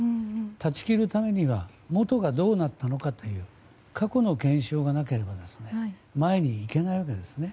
断ち切るためには元がどうなったのかという過去の検証がなければ前に行けないわけです。